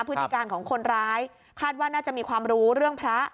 พฤติการของคนร้ายคาดว่าน่าจะมีความรู้เรื่องพระ